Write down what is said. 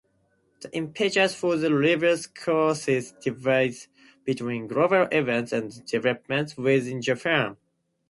The impetus for the Reverse Course divides between global events and developments within Japan.